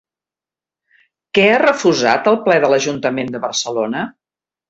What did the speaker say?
Què ha refusat el ple de l'Ajuntament de Barcelona?